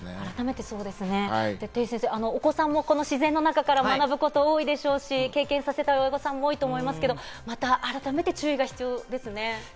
てぃ先生、お子さんも自然の中から学ぶこと多いでしょうし、経験させたい親御さんも多いと思いますけれども、改めて注意が必要ですね。